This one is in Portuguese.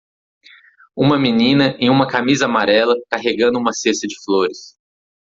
Uma menina em uma camisa amarela carregando uma cesta de flores.